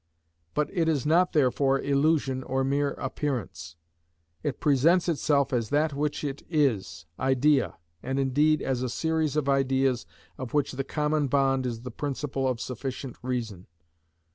But it is not therefore illusion or mere appearance; it presents itself as that which it is, idea, and indeed as a series of ideas of which the common bond is the principle of sufficient reason.